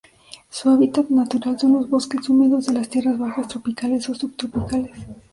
Su hábitat natural son los bosques húmedos de las tierras bajas tropicales o subtropicales.